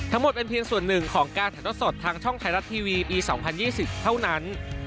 ทั้งหมดเป็นเพียงส่วนหนึ่งของการถ่ายทอดสดทางช่องไทยรัฐทีวีปี๒๐๒๐เท่านั้น